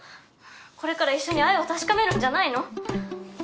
これから一緒に愛を確かめるんじゃないの？